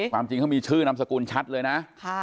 ความจริงเขามีชื่อนามสกุลชัดเลยนะ